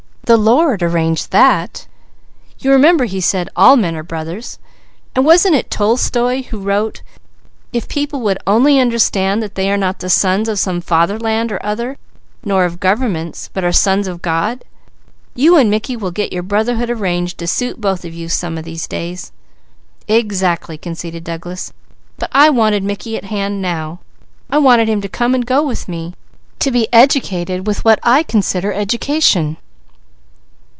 "The Lord arranged that. You remember He said, 'All men are brothers,' and wasn't it Tolstoy who wrote: 'If people would only understand that they are not the sons of some fatherland or other, nor of governments, but are sons of God?' You and Mickey will get your brotherhood arranged to suit both of you some of these days." "Exactly!" conceded Douglas. "But I wanted Mickey at hand now! I wanted him to come and go with me. To be educated with what I consider education."